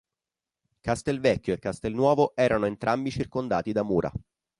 Castelvecchio e Castelnuovo erano entrambi circondati da mura.